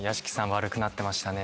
悪くなってましたね。